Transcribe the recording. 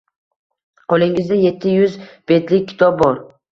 Qo‘lingizda yetti yuz betlik kitob bor.